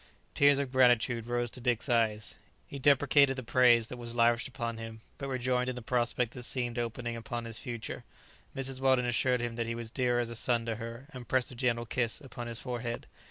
Tears of gratitude rose to Dick's eyes. He deprecated the praise that was lavished upon him, but rejoiced in the prospect that seemed opening upon his future. Mrs. Weldon assured him that he was dear as a son to her, and pressed a gentle kiss upon his forehead.